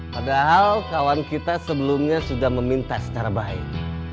padahal kawan kita sebelumnya sudah meminta secara baik